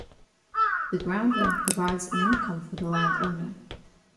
The ground rent provides an income for the landowner.